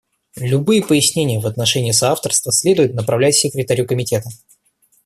Любые пояснения в отношении соавторства следует направлять Секретарю Комитета.